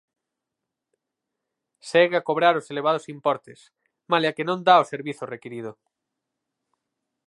Segue a cobrar os elevados importes, malia que non dá o servizo requirido.